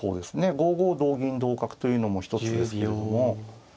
５五同銀同角というのも一つですけれども。